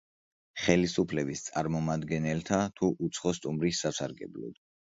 ხელისუფლების წარმომადგენელთა თუ „უცხო სტუმრის“ სასარგებლოდ.